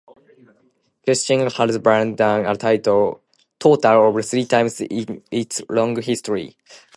Cushing has burned down a total of three times in its long history.